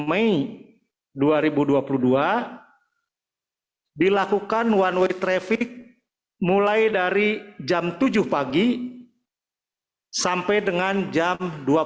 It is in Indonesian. dua puluh mei dua ribu dua puluh dua dilakukan one way traffic mulai dari jam tujuh pagi sampai dengan jam dua puluh